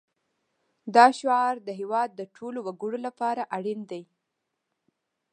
دا شعار د هېواد د ټولو وګړو لپاره اړین دی